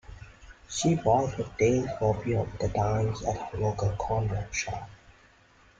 She bought her daily copy of The Times at her local corner shop